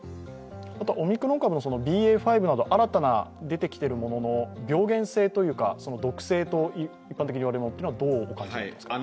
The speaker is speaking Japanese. オミクロン株のＢＡ．５など、新たな出てきているものの病原性というか毒性と一般的に言われるものは、どうお感じになりますか？